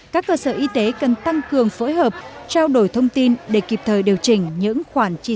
các cơ sở y tế cần tăng cường phối hợp trao đổi thông tin để kịp thời điều chỉnh những khoản chi